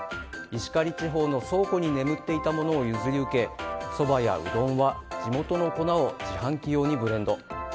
石狩地方の倉庫に眠っていたものを譲り受けそばやうどんは地元の粉を自販機用にブレンド。